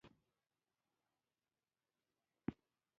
د ماښام شفق د اسمان ښکلا ته نوی رنګ ورکوي.